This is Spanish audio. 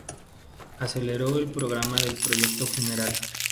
Aceleró el programa del Proyecto Funeral.